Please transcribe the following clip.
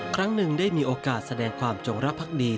ครั้งหนึ่งได้มีโอกาสแสดงความจงรักภักดี